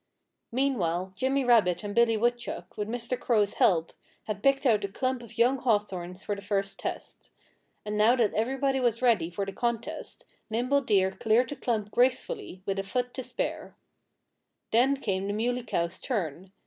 Meanwhile Jimmy Rabbit and Billy Woodchuck, with Mr. Crow's help, had picked out a clump of young hawthorns for the first test. And now that everybody was ready for the contest Nimble Deer cleared the clump gracefully, with a foot to spare. Then came the Muley Cow's turn.